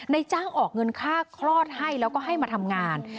ในจ้างออกเงินค่าคลอดให้แล้วก็ให้มาทำงาน